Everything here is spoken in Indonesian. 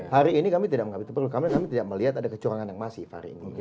hari ini kami tidak mengambil itu perlu kami tidak melihat ada kecurangan yang masif hari ini